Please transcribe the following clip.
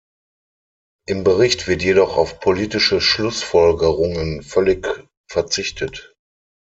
Im Bericht wird jedoch auf politische Schlussfolgerungen völlig verzichtet.